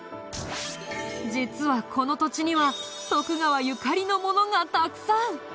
実はこの土地には徳川ゆかりのものがたくさん！